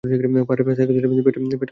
পাহাড়ে সাইকেল চালিয়ে পেট চলে নাকি?